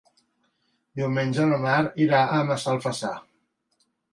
Diumenge na Mar irà a Massalfassar.